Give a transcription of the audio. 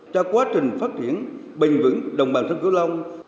cho quá trình phát triển bình vững đồng bằng sông cửu long